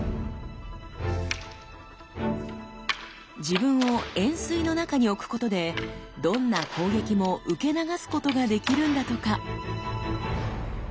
自分を円錐の中に置くことでどんな攻撃も受け流すことができるんだとか。